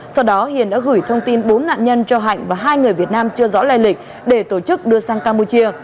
sau đó hiền đã gửi thông tin bốn nạn nhân cho hạnh và hai người việt nam chưa rõ lây lịch để tổ chức đưa sang campuchia